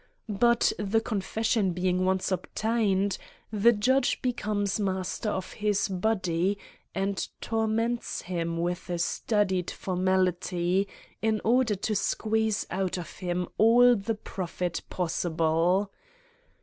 But the con fession being once obtained, the judge becomes master of his body, and torments him with a stu died formality, in order to squeeze out of him all the profit possibl .